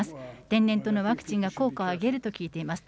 天然痘のワクチンが効果を上げると聞いています。